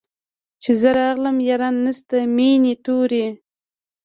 چي زه راغلم ياران نسته مېني توري